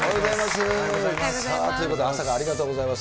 ということで、朝からありがとうございます。